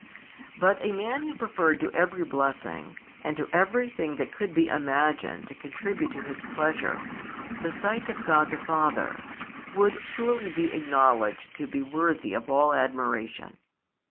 But a man who preferred to every blessing, and to everything that could be imagined to contribute to his pleasure, the sight of |252 God the Father, would surely be acknowledged to be worthy of all admiration.